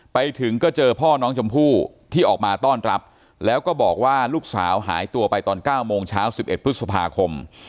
ไปถึงก็เจอพ่อน้องชมพู่ที่ออกมาต้อนรับแล้วก็บอกว่าลูกสาวหายตัวไปตอน๙โมงเช้า๑๑พฤษภาคม